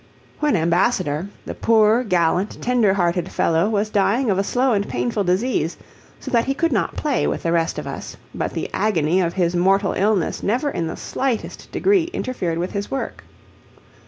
When Ambassador, the poor, gallant, tender hearted fellow was dying of a slow and painful disease, so that he could not play with the rest of us, but the agony of his mortal illness never in the slightest degree interfered with his work.